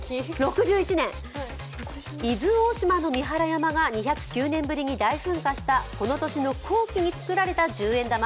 ６１年、伊豆大島の三原山が２０９年ぶりに大噴火した、この年の後期に作られた十円玉。